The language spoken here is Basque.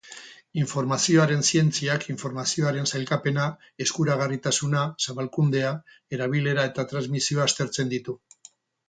Informazioaren zientziak informazioaren sailkapena, eskuragarritasuna, zabalkundea, erabilera eta transmisioa aztertzen ditu.